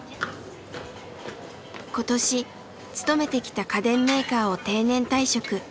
今年勤めてきた家電メーカーを定年退職。